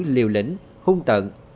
liêu lĩnh hung tận